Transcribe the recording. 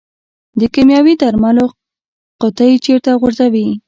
د کیمیاوي درملو قطۍ چیرته غورځوئ؟